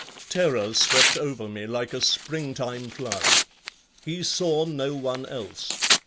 Terror swept over me like a springtime flood. He saw no one else.